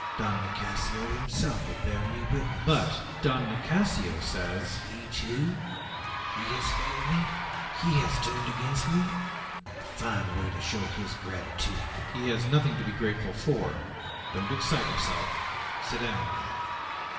Don Nicasio himself will bear me witness." "But Don Nicasio says " "He, too? Has he failed me? Has he turned against me? A fine way to show his gratitude!" "He has nothing to be grateful for. Don't excite yourself! Sit down again.